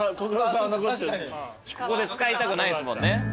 ここで使いたくないですもんね。